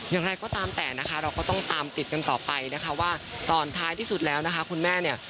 อย่างไรก็ตามแต่นะคะเราก็ต้องตามติดกันต่อไปนะคะว่าตอนท้ายที่สุดแล้วนะคะคุณแม่เนี่ย